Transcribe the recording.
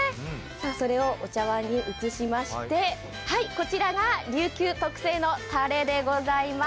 それをお茶わんに移しまして、こちらがりゅうきゅう特製のたれでございます。